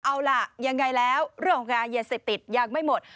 เอาล่ะยังไงแล้วเรื่องของการยาเสพติดยังไม่หมด